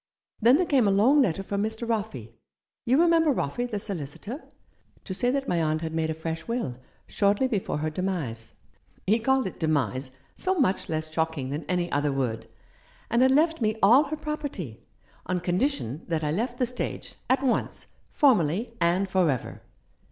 Then there came a long letter from Mr. Roffey — you remember Roffey, the solicitor? — to say that my aunt had made a fresh will shortly before her demise — he called it demise ; so much less shocking than any other word — and had left me all her property, on condition that I left the stage, at once, formally, and for ever.